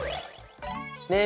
ねえ